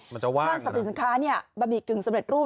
บะหมี่คืนสำเร็จรูป